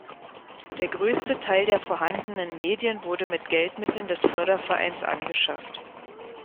Der größte Teil der vorhandenen Medien wurde mit Geldmitteln des Fördervereins angeschafft.